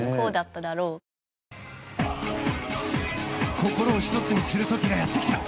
心を一つにする時がやってきた。